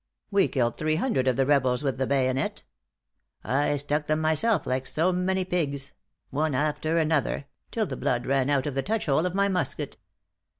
We killed three hundred of the rebels with the bayonet; I stuck them myself like so many pigs one after another till the blood ran out of the touchhole of my musket."